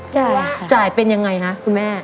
จ่ายค่ะจ่ายเป็นอย่างไรนะคุณแม่